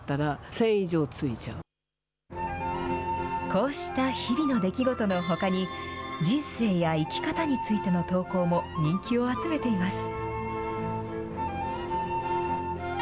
こうした日々の出来事のほかに、人生や生き方についての投稿も人気を集めています。